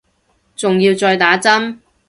仲要再打針